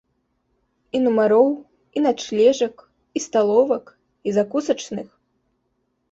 І нумароў, і начлежак, і сталовак, і закусачных!